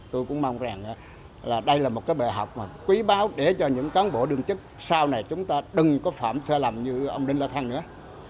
tôi cũng mong rằng là đây là một cái bệ học mà quý báo để cho những cán bộ đương chức sau này chúng ta đừng có phạm xa lầm như ông đinh lê thăng nữa